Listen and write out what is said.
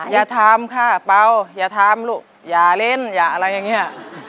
อย่าทำค่ะเปล่าอย่าทำลูกอย่าเล่นอย่าอะไรอย่างนี้